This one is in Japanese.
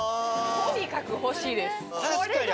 とにかく欲しいですあれね